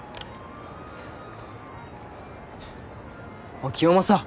あっ清正。